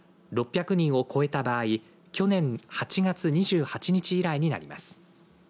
６００人を超えた場合去年８月２８日以来になります。